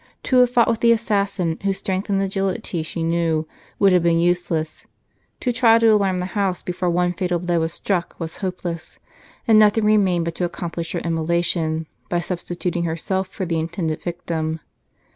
To have fought with the assassin, whose strength and agility she knew, would have been useless; to try to alarm the house before one fatal blow was struck was hopeless ; and nothing remained but to accomplish her immolation, by substituting herself for the intended victim.